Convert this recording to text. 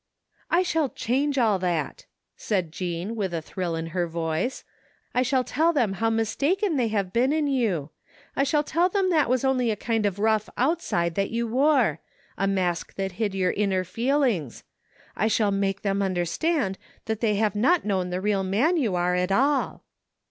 " I shall change all that,'* said Jean with a thrill in her voice, " I shall tell them how mistaken they have been in you. I shall tell them that was only a kind of rough outside that you wore — 3, mask that hid your inner feelings. I shall make them understand that they have not known the real man you are at all."